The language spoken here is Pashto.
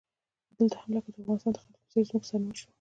دلته هم لکه د افغانستان د خلکو په څیر زموږ سرنوشت و.